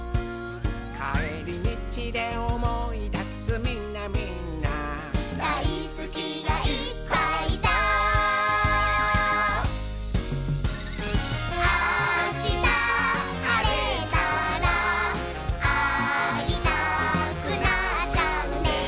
「かえりみちでおもいだすみんなみんな」「だいすきがいっぱいだ」「あしたはれたらあいたくなっちゃうね」